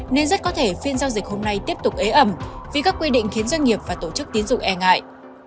nên rất có thể phiên giao dịch hôm nay tiếp tục ế ẩm vì các quy định khiến doanh nghiệp và tổ chức tín dụng e ngại